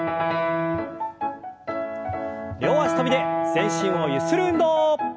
両脚跳びで全身をゆする運動。